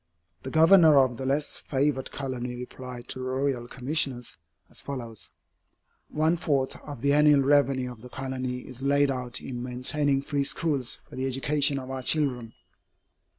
The Governor of the less favored colony replied to the Royal Commissioners, as follows: "One fourth of the annual revenue of the Colony is laid out in maintaining free schools for the education of our children."